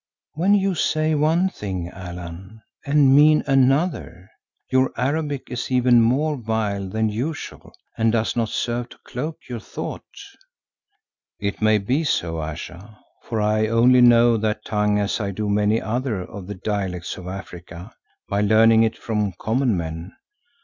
"When you say one thing, Allan, and mean another, your Arabic is even more vile than usual and does not serve to cloak your thought." "It may be so, Ayesha, for I only know that tongue as I do many other of the dialects of Africa by learning it from common men.